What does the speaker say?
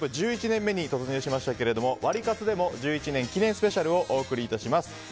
１１年目に突入しましたがワリカツでも１１年記念スペシャルをお送り致します。